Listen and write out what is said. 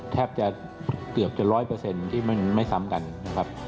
แทบจะเกือบจะ๑๐๐ที่มันไม่ซ้ำกันนะครับ